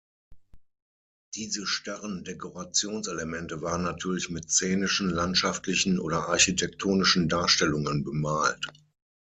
Diese starren Dekorationselemente waren natürlich mit szenischen, landschaftlichen oder architektonischen Darstellungen bemalt.